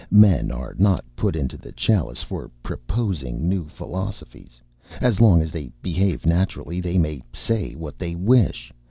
"Men are not put into the Chalice for proposing new philosophies. As long as they behave naturally they may say what they wish.